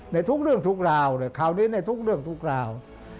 ในทุกเรื่องทุกราวคราวนี้ในทุกเรื่องทุกราว